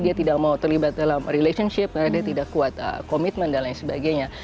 dia tidak mau terlibat dalam relationship karena dia tidak kuat komitmen dan lain sebagainya